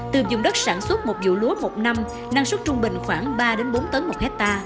từ dùng đất sản xuất một vụ lúa một năm năng suất trung bình khoảng ba bốn tấn một hectare